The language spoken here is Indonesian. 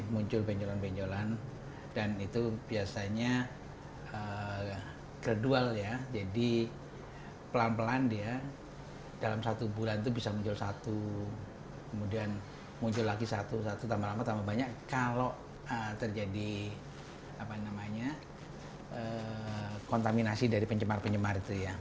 muncul lagi satu satu tambah lama tambah banyak kalau terjadi kontaminasi dari pencemar pencemar